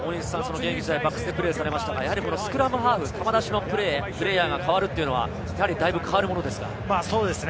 現役時代はバックスでプレーされましたが、スクラムハーフ、球出しのプレーヤーが代わるのは、だいぶ変わるものですか？